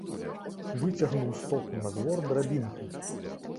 Выцягнуў з току на двор драбінку.